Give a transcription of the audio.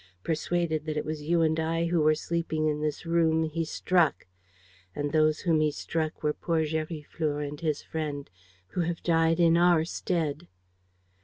Persuaded that it was you and I who were sleeping in this room, he struck ... and those whom he struck were poor Gériflour and his friend, who have died in our stead."